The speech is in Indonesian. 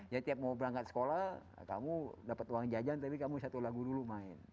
jadi tiap mau berangkat sekolah kamu dapat uang jajan tapi kamu satu lagu dulu main